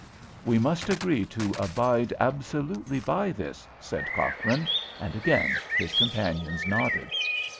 "We must agree to abide absolutely by this," said Cochrane, and again his companions nodded.